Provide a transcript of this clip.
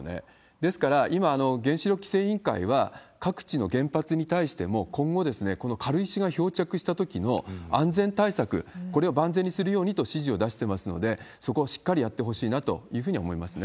ですから、今、原子力規制委員会は各地の原発に対しても、今後この軽石が漂着したときの安全対策、これを万全にするようにと指示を出してますので、そこはしっかりやってほしいなというふうには思いますね。